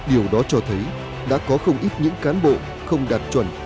điều đó cho thấy đã có không ít những cán bộ không đạt chuẩn